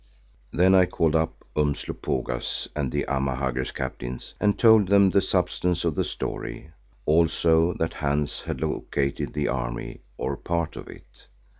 Then I called up Umslopogaas and the Amahagger captains and told them the substance of the story, also that Hans had located the army, or part of it.